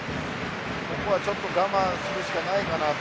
ここはちょっと我慢するしかないかなと。